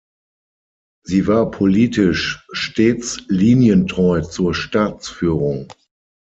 Sie war politisch stets linientreu zur Staatsführung.